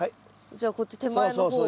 じゃあこっち手前の方を。